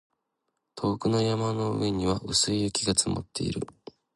遠くの山の上には薄い雪が積もっている